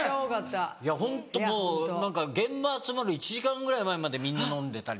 ホントもう現場集まる１時間ぐらい前までみんな飲んでたり。